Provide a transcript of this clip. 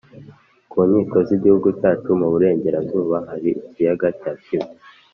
ku nkiko z’igihugu cyacu mu burengerazuba hari ikiyaga cya kivu.